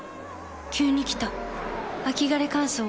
急に来た秋枯れ乾燥。